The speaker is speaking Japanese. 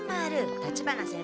立花先輩。